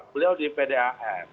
beliau di pdan